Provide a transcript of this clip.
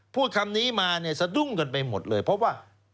พูดคำนี้มาเนี่ยสะดุ้งกันไปหมดเลยเพราะว่า